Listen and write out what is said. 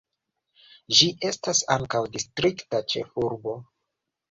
Ĝi estas ankaŭ distrikta ĉefurbo.